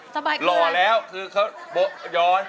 สบายเกินสุดยอด